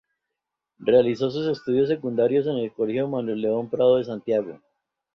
Realizó sus estudios secundarios en el Colegio Manuel León Prado de Santiago.